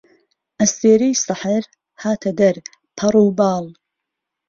ئهستێرهی سهحهر هاته دهر پهڕ و بال